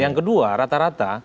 yang kedua rata rata